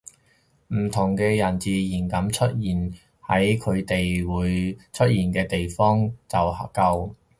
唔同嘅人自然噉出現喺佢哋會出現嘅地方就夠